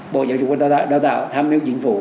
bộ giáo dục đào tạo tham hiếu chính phủ